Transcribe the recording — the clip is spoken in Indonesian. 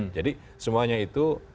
jadi semuanya itu